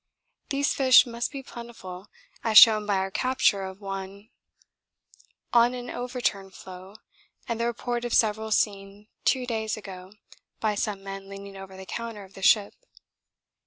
These fish must be plentiful, as shown by our capture of one on an overturned floe and the report of several seen two days ago by some men leaning over the counter of the ship.